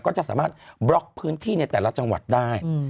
ก็จะสามารถบล็อกพื้นที่ในแต่ละจังหวัดได้